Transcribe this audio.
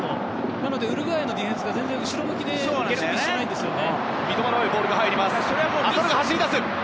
なのでウルグアイのディフェンスが全然、後ろ向きにならないんですね。